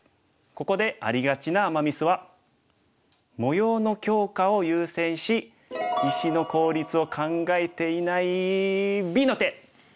ここでありがちなアマ・ミスは模様の強化を優先し石の効率を考えていないＢの手！